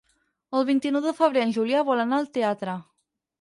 El vint-i-nou de febrer en Julià vol anar al teatre.